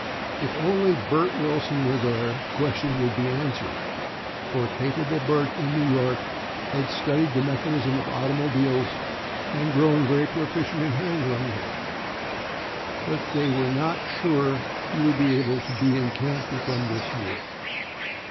If only Bert Wilson were there, the question would be answered, for capable Bert in New York had studied the mechanism of automobiles and grown very proficient in handling them; but they were not sure that he would be able to be in camp with them this year.